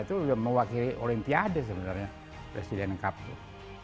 itu sudah mewakili olimpiade sebenarnya presiden kpu